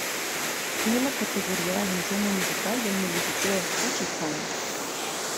Tiene la categoría de agencia municipal del municipio de Juchitán.